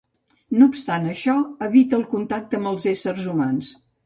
No obstant això evita el contacte amb els éssers humans.